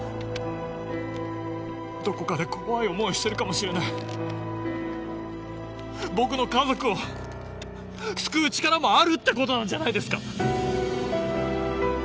どこかで怖い思いをしてるかもしれない僕の家族を救う力もあるってことなんじゃないですか